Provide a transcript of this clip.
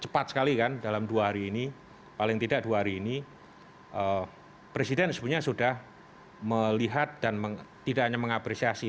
cepat sekali kan dalam dua hari ini paling tidak dua hari ini presiden sebenarnya sudah melihat dan tidak hanya mengapresiasi